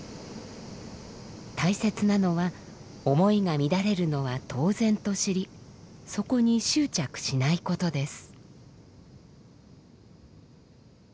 大切なのは思いが乱れるのは当然と知りそこに執着しないことです。